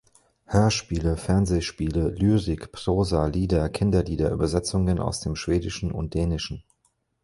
Hörspiele, Fernsehspiele, Lyrik, Prosa, Lieder, Kinderlieder, Übersetzungen aus dem Schwedischen und Dänischen.